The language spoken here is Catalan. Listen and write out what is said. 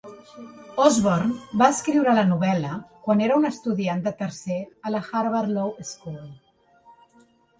Osborn va escriure la novel·la quan era un estudiant de tercer a la Harvard Law School.